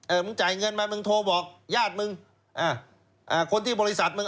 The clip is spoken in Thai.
มึงจ่ายเงินมามึงโทรบอกญาติมึงอ่าอ่าคนที่บริษัทมึง